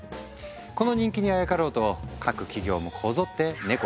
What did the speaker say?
この人気にあやかろうと各企業もこぞってネコ